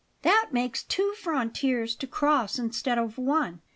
"That makes two frontiers to cross instead of one."